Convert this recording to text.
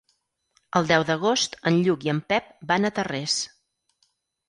El deu d'agost en Lluc i en Pep van a Tarrés.